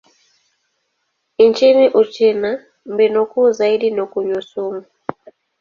Nchini Uchina, mbinu kuu zaidi ni kunywa sumu.